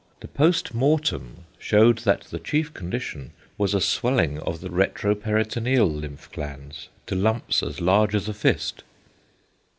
The post mortem shewed that the chief condition was a swelling of the retro peritoneal lymph glands to lumps as large as a fist.